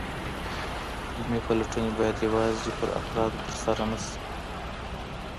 علمي پلټني باید یوازي پر افرادو ترسره نسي.